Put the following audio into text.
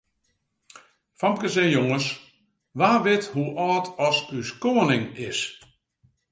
Famkes en jonges, wa wit hoe âld as ús koaning is?